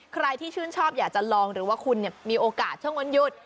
ใครที่ชื่นชอบอยากจะลองหรือว่าคุณมีโอกาสช่วงวันหยุด